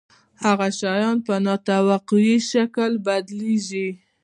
هغه شیان په نا توقعي شکل بدلیږي.